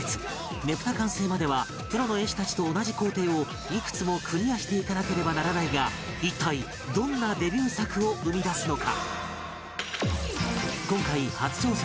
ねぷた完成まではプロの絵師たちと同じ工程をいくつもクリアしていかなければならないが一体どんなデビュー作を生み出すのか？